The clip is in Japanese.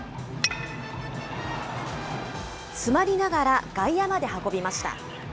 詰まりながら外野まで運びました。